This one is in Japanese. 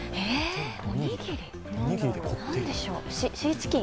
おにぎり、なんでしょう。